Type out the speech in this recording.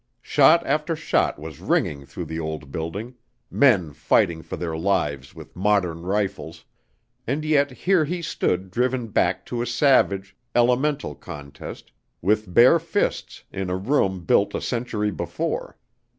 Shot after shot was ringing through the old building, men fighting for their lives with modern rifles, and yet here he stood driven back to a savage, elemental contest with bare fists in a room built a century before.